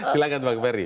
silahkan bang merry